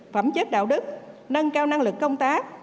phẩm chất đạo đức nâng cao năng lực công tác